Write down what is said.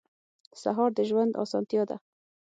سهار د ژوند اسانتیا ده.